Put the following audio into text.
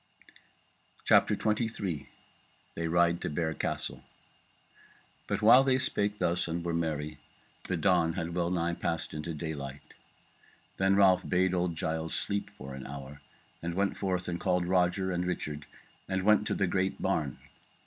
CHAPTER 23 They Ride to Bear Castle But while they spake thus and were merry, the dawn had wellnigh passed into daylight. Then Ralph bade old Giles sleep for an hour, and went forth and called Roger and Richard and went to the great barn.